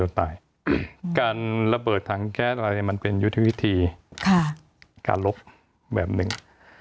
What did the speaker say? ตายการระเบิดถังแก๊สอะไรมันเป็นยุทธวิธีการลบแบบหนึ่ง